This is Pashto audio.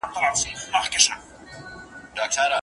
شاګرد هڅه کوي چي نوې سرچینې پیدا کړي.